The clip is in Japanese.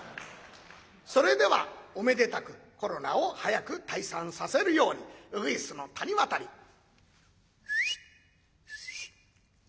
それではおめでたくコロナを早く退散させるように鶯の谷渡り。